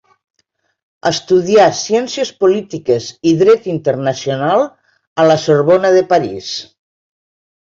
Estudià Ciències Polítiques i Dret Internacional a La Sorbona de París.